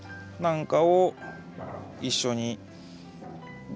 なんかを一緒に。